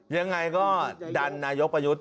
ยังไงก็ดันนายกประยุทธ์